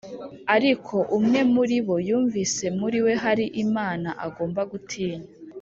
ariko umwe muri bo yumvise muri we hari imana agomba gutinya